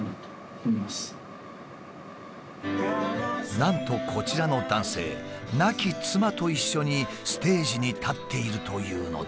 なんとこちらの男性亡き妻と一緒にステージに立っているというのだ。